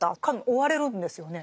追われるんですよね。